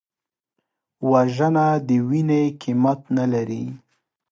وژنه د وینې قیمت نه لري